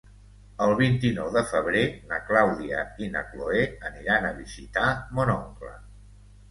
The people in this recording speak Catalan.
El vint-i-nou de febrer na Clàudia i na Cloè aniran a visitar mon oncle.